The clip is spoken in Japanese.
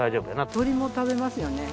鳥も食べますよね。